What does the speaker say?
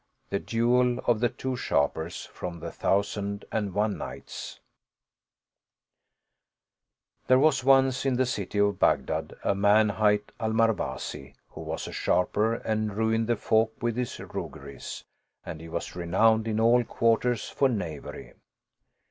T/ie Duel of the Two Sharpers From the Arabic TTHERE was once, in the city of Baghdad, a man hight Al Marwazi who was a sharper and ruined the folk with his rogueries and he was renowned in all quarters for knavery.